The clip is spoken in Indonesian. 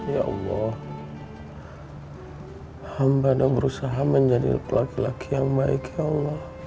ya allah hambana berusaha menjadi laki laki yang baik ya allah